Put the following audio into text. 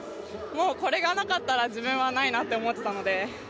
これがなかったら自分はないなと思ってたので。